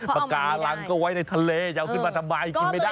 ปากการังก็ไว้ในทะเลจะเอาขึ้นมาทำไมกินไม่ได้